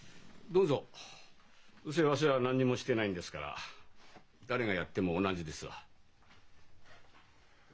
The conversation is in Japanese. どうせわしは何にもしてないんですから誰がやっても同じですわ。